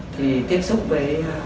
thì tiếp xúc với